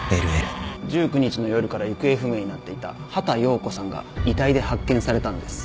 １９日の夜から行方不明になっていた畑葉子さんが遺体で発見されたんです。